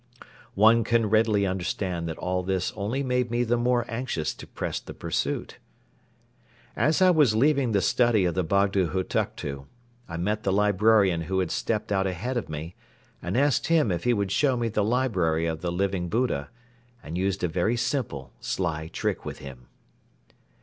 One can readily understand that all this only made me the more anxious to press the pursuit. As I was leaving the study of the Bogdo Hutuktu, I met the librarian who had stepped out ahead of me and asked him if he would show me the library of the Living Buddha and used a very simple, sly trick with him.